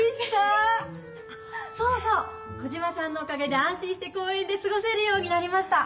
コジマさんのおかげで安心して公園で過ごせるようになりました。